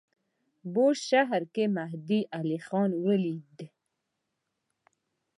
بوشهر کې مهدی علیخان ولیدی.